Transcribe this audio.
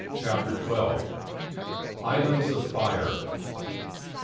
CHAPTER TWELVE. ISLANDS OF FIRE!